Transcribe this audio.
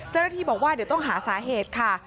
เจ้าหน้าที่บอกว่าเดี๋ยวต้องหาสาเหตุค่ะ